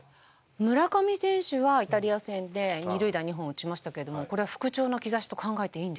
村上選手はイタリア戦で二塁打２本打ちましたけれどもこれは復調の兆しと考えていいんですか？